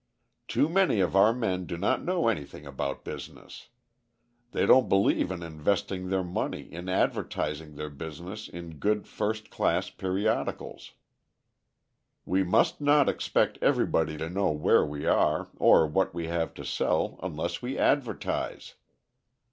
Too many of our men do not know anything about business. They don't believe in investing their money in advertising their business in good first class periodicals. We must not expect everybody to know where we are or what we have to sell unless we advertise.